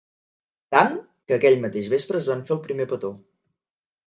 Tant, que aquell mateix vespre es van fer el primer petó.